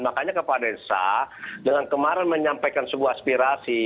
makanya kepala desa dengan kemarin menyampaikan sebuah aspirasi